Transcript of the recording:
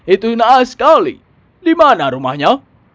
itu naas sekali di mana rumahnya